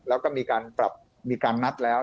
แล้วก็มีการปรับมีการนัดแล้ว